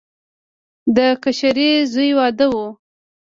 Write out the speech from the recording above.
د کشري زوی واده و.